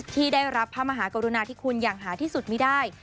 ที่ได้รับพระมหากรุณาธิคุณอย่างหาที่สุดมีได้